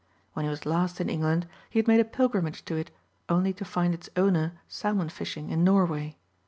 When he was last in England he had made a pilgrimage to it only to find its owner salmon fishing in Norway.